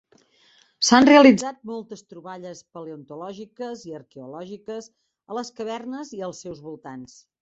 S'han realitzat moltes troballes paleontològiques i arqueològiques a les cavernes i als seus voltants.